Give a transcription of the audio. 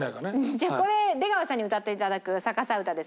じゃあ出川さんに歌って頂く逆さ歌です。